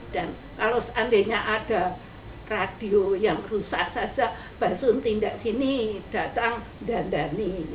dan kalau seandainya ada radio yang rusak saja mbak sun tindak sini datang dandani